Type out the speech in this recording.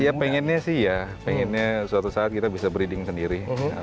ya pengennya sih ya pengennya suatu saat kita bisa breeding sendiri